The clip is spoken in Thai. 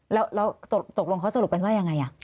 แล้วตกลงเขาสรุปกันว่ายังไง